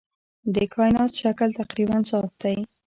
د کائنات شکل تقریباً صاف دی.